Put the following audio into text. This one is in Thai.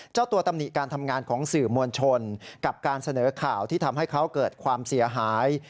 เจ้าตัวตำหนิการทำงานของสื่อมวลชนกับการเสนอข่าวที่ทำให้เขาเกิดความเสียหาย